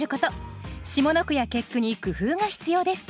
下の句や結句に工夫が必要です。